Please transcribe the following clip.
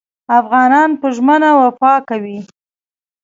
افغانان په ژمنه وفا کوي.